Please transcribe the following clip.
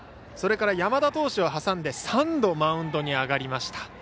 それから、山田投手を挟んで３度、マウンドに上がりました。